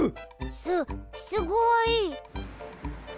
すっすごい。